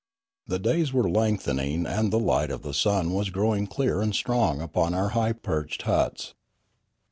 The days were lengthening, and the light of the sun was growing clear and strong upon our high perched huts.